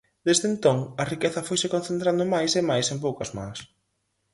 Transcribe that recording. Desde entón, a riqueza foise concentrando máis e máis en poucas mans.